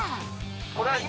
これは今。